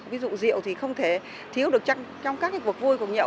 ví dụ rượu thì không thể thiếu được trong các cuộc vui của nhậ